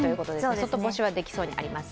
外干しはできそうにありません。